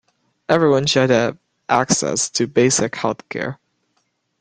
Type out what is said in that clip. Everyone should have access to basic health-care.